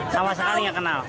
sama sekali nggak kenal